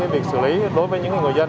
việc xử lý đối với những người dân